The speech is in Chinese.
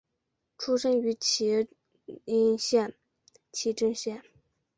出身于岐阜县岐阜市。